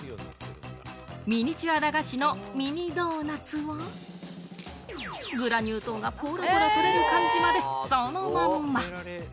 ミニチュア駄菓子のミニドーナツは、グラニュー糖がポロポロ取れる感じまで、そのまんま。